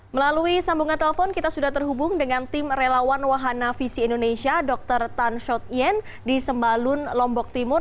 melalui sambungan telepon kita sudah terhubung dengan tim relawan wahana visi indonesia dr tan shot yen di sembalun lombok timur